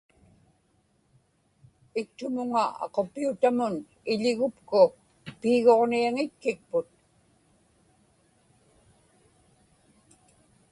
iktumuŋa aquppiutamum iḷigupku puiguġniaŋitkikput